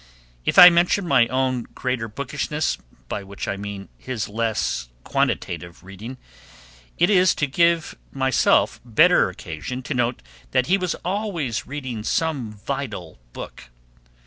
If I mention my own greater bookishness, by which I mean his less quantitative reading, it is to give myself better occasion to note that he was always reading some vital book.